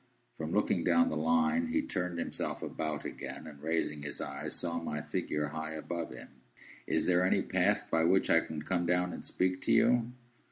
From looking down the Line, he turned himself about again, and, raising his eyes, saw my figure high above him. "Is there any path by which I can come down and speak to you?"